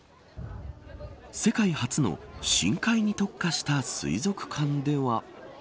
世界初の深海に特化した水族館では。